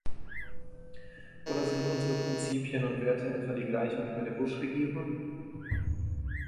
Oder sind unsere Prinzipien und Werte etwa die gleichen wie die der Bush-Regierung?